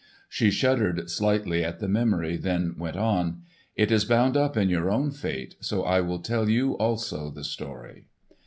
She shuddered slightly at the memory, then went on; "It is bound up in your own fate, so I will tell you also the story."